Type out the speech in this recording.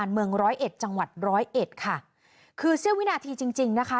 เมืองร้อยเอ็ดจังหวัดร้อยเอ็ดค่ะคือเสี้ยววินาทีจริงจริงนะคะ